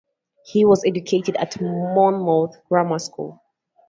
He was educated at Monmouth Grammar School.